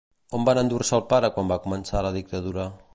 On van endur-se al pare quan va començar la dictadura?